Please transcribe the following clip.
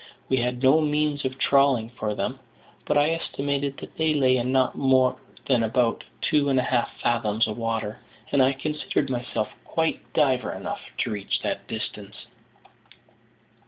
We had no means of trawling for them; but I estimated that they lay in not more than about two and a half fathoms of water, and I considered myself quite diver enough to reach that distance.